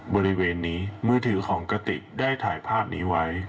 บริเวณนี้มือถือของกติกได้ถ่ายภาพนี้ไว้